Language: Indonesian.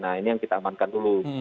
nah ini yang kita amankan dulu